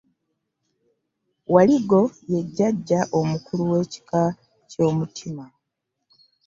Waliggo ye jjajja omukulu w'ekika ky'omutima.